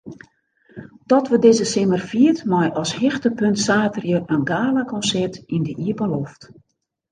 Dat wurdt dizze simmer fierd mei as hichtepunt saterdei in galakonsert yn de iepenloft.